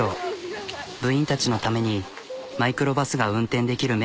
部員たちのためにマイクロバスが運転できる免許を取った。